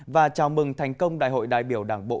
và chào mừng thành công đại hội đại biểu đảng bộ